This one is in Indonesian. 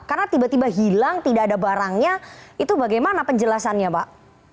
karena tiba tiba hilang tidak ada barangnya itu bagaimana penjelasannya pak